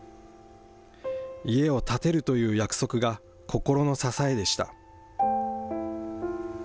家を建てるという約束が心の支えでした。